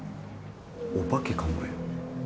お化けかもよ？